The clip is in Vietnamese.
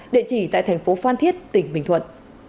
địa chỉ tại tp phan thiết tp bình thuận